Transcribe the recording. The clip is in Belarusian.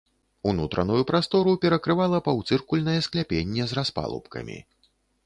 Унутраную прастору перакрывала паўцыркульнае скляпенне з распалубкамі.